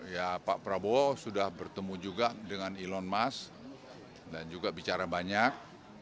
ya pak prabowo sudah bertemu juga dengan elon musk dan juga bicara banyak